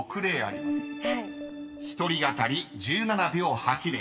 ［１人当たり１７秒８０］